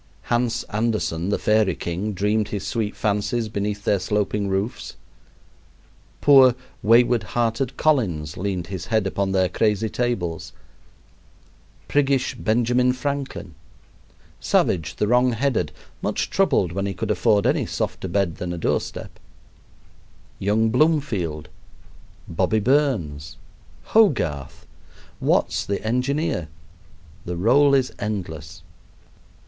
Hans Andersen, the fairy king, dreamed his sweet fancies beneath their sloping roofs. Poor, wayward hearted Collins leaned his head upon their crazy tables; priggish Benjamin Franklin; Savage, the wrong headed, much troubled when he could afford any softer bed than a doorstep; young Bloomfield, "Bobby" Burns, Hogarth, Watts the engineer the roll is endless.